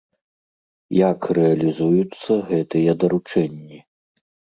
Як рэалізуюцца гэтыя даручэнні?